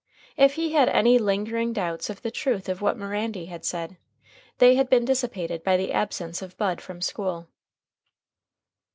If he had any lingering doubts of the truth of what Mirandy had said, they had been dissipated by the absence of Bud from school.